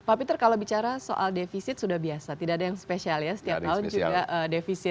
pak peter kalau bicara soal defisit sudah biasa tidak ada yang spesial ya setiap tahun juga defisit